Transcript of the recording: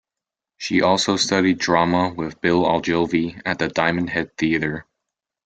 She also studied Drama with Bill Ogilvie at the Diamond Head Theater.